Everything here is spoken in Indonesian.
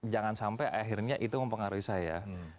jangan sampai akhirnya itu mempengaruhi saya